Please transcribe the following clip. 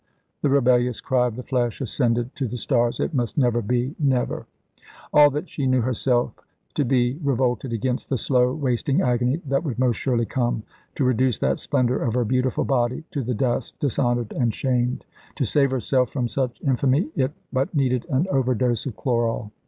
The rebellious cry of the flesh ascended to the stars. "It must never be never." All that she knew herself to be revolted against the slow wasting agony that would most surely come, to reduce that splendour of her beautiful body to the dust, dishonoured and shamed. To save herself from such infamy it but needed an overdose of chloral.